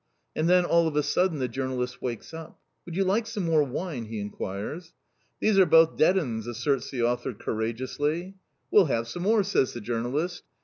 And then all of a sudden the journalist wakes up. "Would you like some more wine?" he inquires. "These are both dead 'uns," asserts the author courageously. "We'll have some more!" says the journalist.